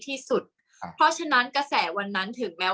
กากตัวทำอะไรบ้างอยู่ตรงนี้คนเดียว